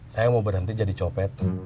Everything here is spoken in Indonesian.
saya mau berhenti jadi copet